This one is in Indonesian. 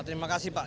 terima kasih pak